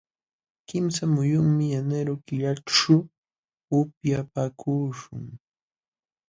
Kimsa muyunmi enero killaćhu upyapaakuśhun.